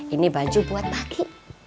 ini baju buat pagi